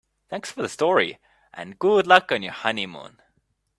Thanks for the story and good luck on your honeymoon.